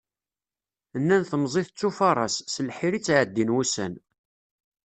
Nnan temẓi tettufaraṣ, s lḥir i ttεeddin wussan.